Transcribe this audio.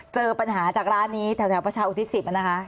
เจอปัญหาจากร้านนี้แถวประชาอุทิศ๑๐นะคะ